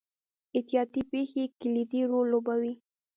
احتیاطي پېښې کلیدي رول لوبوي.